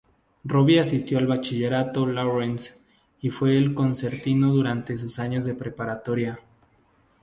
Robby asistió al Bachillerato Lawrence y fue el concertino durante sus años de preparatoria.